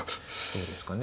どうですかね。